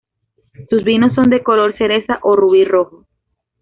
Sus vinos son de color cereza o rubí rojo.